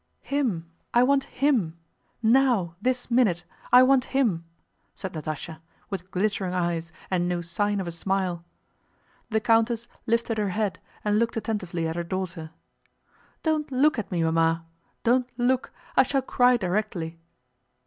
"Him... I want him... now, this minute! I want him!" said Natásha, with glittering eyes and no sign of a smile. The countess lifted her head and looked attentively at her daughter. "Don't look at me, Mamma! Don't look; I shall cry directly."